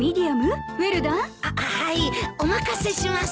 ああはいお任せします。